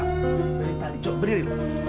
berita dicok beririlah